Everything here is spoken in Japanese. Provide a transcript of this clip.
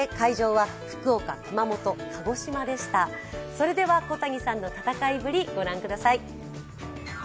それでは小谷さんの戦いぶり、ご覧ください。